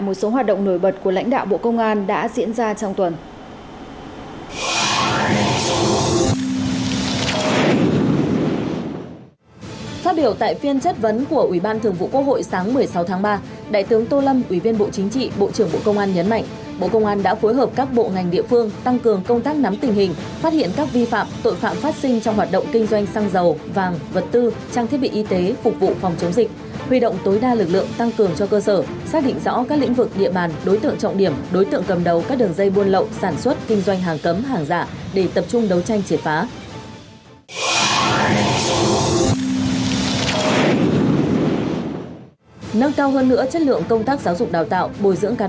mở đầu bản tin xin mời quý vị cùng điểm lại một số hoạt động nổi bật của lãnh đạo bộ công an đã diễn ra trong tuần